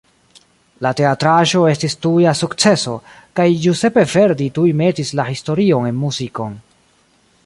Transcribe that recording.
La teatraĵo estis tuja sukceso, kaj Giuseppe Verdi tuj metis la historion en muzikon.